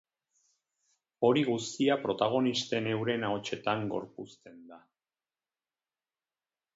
Hori guztia protagonisten euren ahotsetan gorpuzten da.